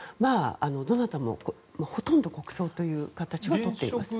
どなたもほとんど国葬という形をとっています。